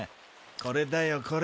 これだよこれ。